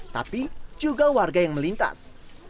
tapi juga warga yang melintas